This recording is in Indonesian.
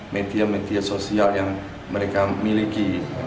media media sosial yang mereka miliki